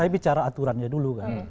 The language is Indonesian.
bicara aturannya dulu